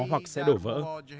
hoặc sẽ đổ vỡ